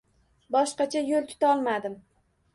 Boshqacha yo`l tutolmadim